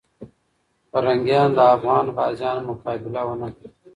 پرنګیان د افغان غازیانو مقابله ونه کړه.